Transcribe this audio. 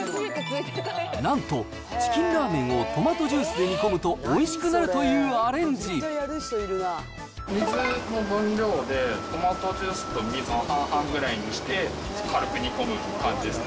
なんと、チキンラーメンをトマトジュースで煮込むと、水の分量で、トマトジュースと水を半々ぐらいにして、軽く煮込む感じですね。